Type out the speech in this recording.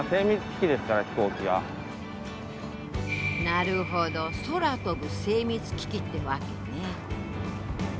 なるほど空飛ぶ精密機器ってわけね。